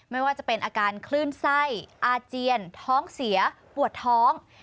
ไม่ว่าจะเป็นอาการคลื่นไส้อาเจียนท้องเสียปวดท้อง